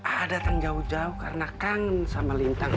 ah datang jauh jauh karena kangen sama lintang